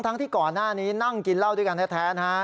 ที่ก่อนหน้านี้นั่งกินเหล้าด้วยกันแท้นะฮะ